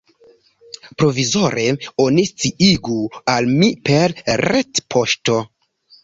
Provizore oni sciigu al mi per retpoŝto.